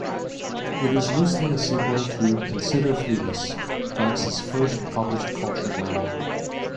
It is loosely a sequel to "Consider Phlebas", Banks's first published Culture novel.